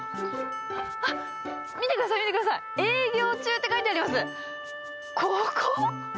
あっ、見てください、見てください、営業中って書いてあります。